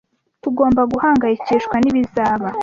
Tugomba guhangayikishwa n'ibizaba?